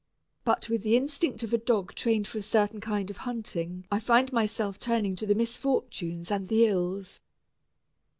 But with the instinct of a dog trained for a certain kind of hunting I find myself turning to the misfortunes and the ills.